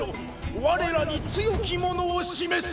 我らに強き者を示せ。